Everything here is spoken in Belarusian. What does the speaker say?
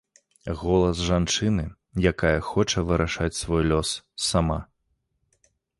Голас жанчыны, якая хоча вырашаць свой лёс сама.